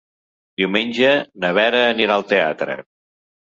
Diumenge na Vera anirà al teatre.